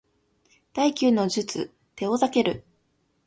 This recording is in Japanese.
第九の術テオザケル